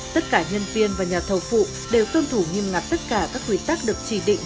tất cả nhân viên và nhà thầu phụ đều tuân thủ nghiêm ngặt tất cả các quy tắc được chỉ định